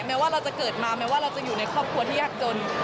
แม้ว่าเราจะเกิดมาแม้ว่าเราจะอยู่ในครอบครัวที่ยากจน